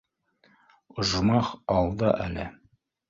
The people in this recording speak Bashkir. — Ожмах алда әле